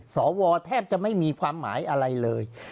สวแทบจะไม่มีความหมายอะไรเลย